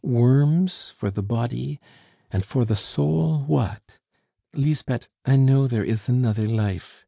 Worms for the body and for the soul, what? Lisbeth, I know there is another life!